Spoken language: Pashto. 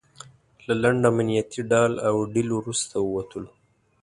له لنډ امنیتي ډال او ډیل وروسته ووتلو.